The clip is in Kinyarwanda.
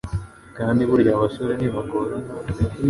kandi burya abasore ntibagorana,